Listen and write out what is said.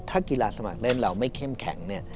ถ้ากีฬาสมัครเล่นเราไม่เข้มแข็งเนี่ย